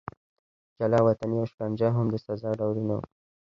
جلا وطني او شکنجه هم د سزا ډولونه وو.